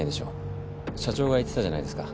社長が言ってたじゃないですか。